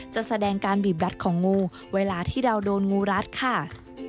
จะแสดงการบีบแดดของงูเวลาที่เราโดนงูรัดค่ะ